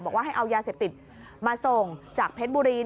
ว่าให้เอายาเสพติดมาส่งจากเพชรบุรี